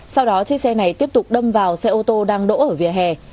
sau đó chiếc xe này tiếp tục đâm vào xe ô tô đang đổ ở vỉa hè